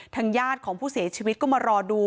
ทางญาติของผู้เสียชีวิตก็มารอดู